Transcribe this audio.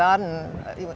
untuk membuat hutan anda